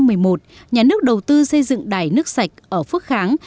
năm hai nghìn một mươi một nhà nước đầu tư xây dựng đài nước sạch ở phước kháng